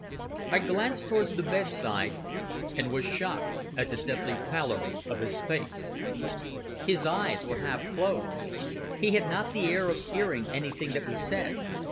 I glanced towards the bedside, and was shocked at the deathly pallor of his face. His eyes were half closed. He had not the air of hearing anything that we said.